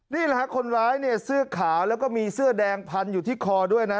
นี่แหละฮะคนร้ายเนี่ยเสื้อขาวแล้วก็มีเสื้อแดงพันอยู่ที่คอด้วยนะ